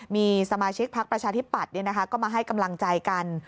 มีสมาชิกพักประชาธิปัตย์ก็มาให้กำลังใจกัน